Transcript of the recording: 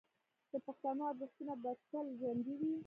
د پښتنو ارزښتونه به تل ژوندي وي.